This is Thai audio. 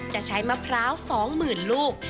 จะใช้มะพร้าว๒๐๐๐ลูก